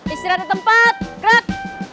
istirahat tempat gerak